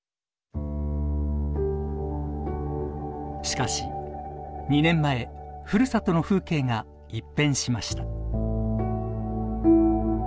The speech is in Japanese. しかし２年前ふるさとの風景が一変しました。